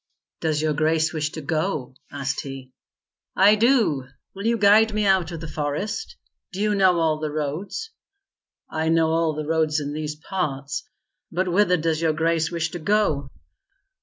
"Does your grace wish to go?" asked he. "I do. Will you guide me out of the forest? Do you know all the roads?" "I know all the roads in these parts. But whither does your grace wish to go?"